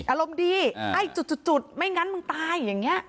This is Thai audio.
อารมณ์ดีไอ้จุดไม่งั้นมึงตายอย่างนี้